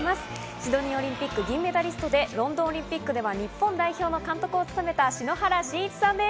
シドニーオリンピック銀メダリストでロンドンオリンピックでは日本代表の監督を務めた篠原信一さんです。